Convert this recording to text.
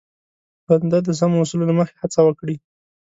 بنده د سمو اصولو له مخې هڅه وکړي.